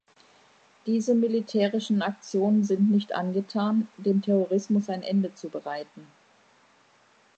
Diese militärischen Aktionen sind nicht angetan, dem Terrorismus ein Ende zu bereiten.